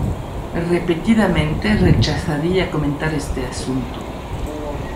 Repetidamente rechazaría comentar este asunto.